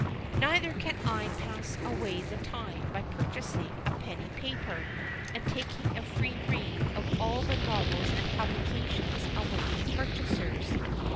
Neither can I pass away the time by purchasing a penny paper, and taking a free read of all the novels and publications awaiting purchasers.